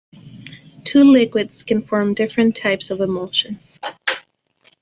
Two liquids can form different types of emulsions.